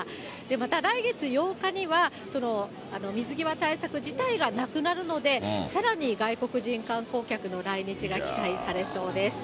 また来月８日には、水際対策自体がなくなるので、さらに外国人観光客の来日が期待されそうです。